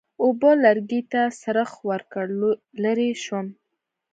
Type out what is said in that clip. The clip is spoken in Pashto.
اوبو لرګي ته څرخ ورکړ، لرې شوم.